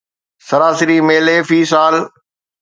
سراسري ميلي في سال